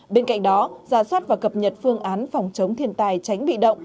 bên cạnh đó giả soát và cập nhật phương án phòng chống thiên tài tránh bị động